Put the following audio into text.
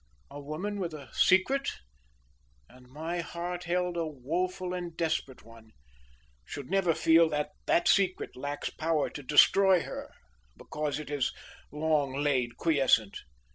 A woman with a secret, and my heart held a woful and desperate one, should never feel that that secret lacks power to destroy her because it has long lain quiescent.